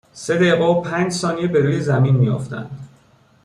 سه دقیقه و پنج ثانیه به روی زمین میافتند